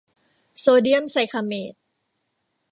โซเดียมไซคลาเมต